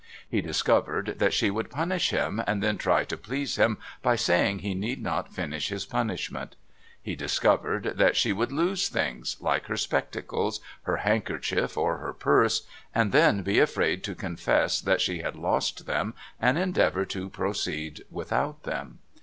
He discovered that she would punish him and then try to please him by saying he need not finish his punishment. He discovered that she would lose things, like her spectacles, her handkerchief, or her purse, and then be afraid to confess that she had lost them and endeavour to proceed without them.